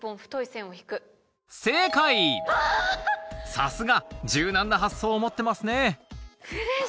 さすが柔軟な発想を持ってますね